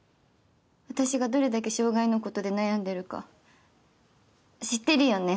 私がどれだけ障害のことで悩んでるか知ってるよね？